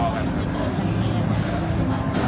สิ่งที่ช่วงพ่อก็ทำงาน